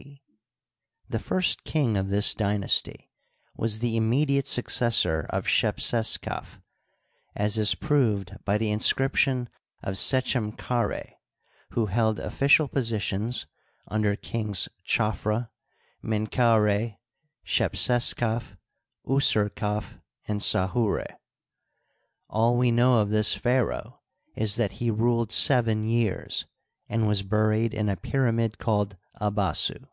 c), the first king of this dy nasty, was the immediate successor of Shepseskaf, as is proved by the inscription of Sechemkard^ who held offi cial positions under Kings Chafra, Menkaura, Shepseskaf, Userkaf, and Sahura. All .we know of this pharaoh is that he ruled seven years, and was buried in a pyramid called Abasu.